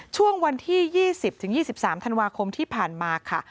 ช่วงวันที่๒๐๒๓ธันวาคมที่ผ่านมาค่ะ